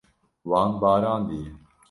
Wan barandiye.